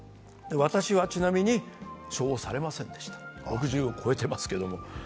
私はちなみに、処方されませんでした、６０を超えていますけれども。